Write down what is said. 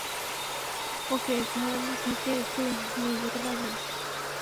ওকে এখান থেকে একটু নিয়ে যেতে পারবেন?